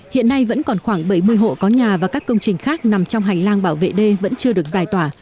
hiện nay vẫn còn khoảng bảy mươi hộ có nhà và các công trình khác nằm trong hành lang bảo vệ đê vẫn chưa được giải tỏa